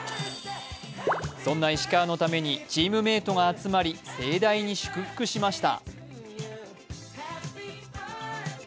そんな石川のためにチームメートが集まり盛大に祝福しました。